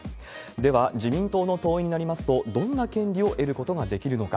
では、自民党の党員になりますと、どんな権利を得ることができるのか。